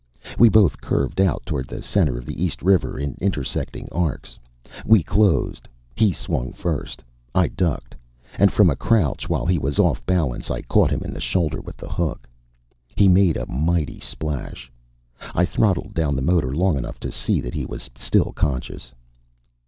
We both curved out toward the center of the East River in intersecting arcs. We closed. He swung first. I ducked And from a crouch, while he was off balance, I caught him in the shoulder with the hook. He made a mighty splash. I throttled down the motor long enough to see that he was still conscious.